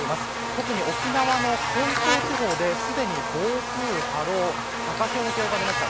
特に、沖縄の本島地方ですでに暴風、波浪、高潮の警報が出ました。